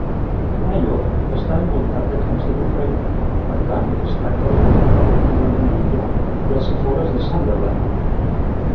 Ryhope esta envoltat de camps de conreu, per tant, es tracta d'un poble relativament aïllat dels afores de Sunderland.